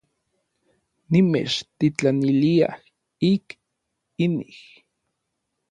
Nimechtitlanilia ik inij.